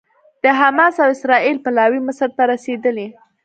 د حماس او اسرائیل پلاوي مصر ته رسېدلي